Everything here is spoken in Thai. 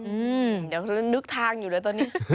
เดี๋ยวนึกทางอยู่เลยตอนนี้